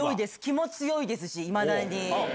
気も強いですしいまだに。